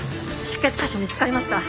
出血箇所見つかりました。